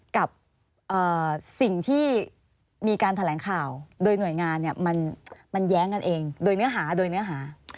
กับสิ่งที่มีการแถลงข่าวโดยหน่วยงานมันแย้งกันเองโดยเนื้อหาโดยเนื้อหา